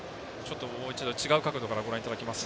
違う角度からご覧いただきます。